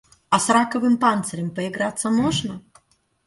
А с раковым панцирем поиграться можно?